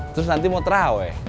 terus nanti mau tarawih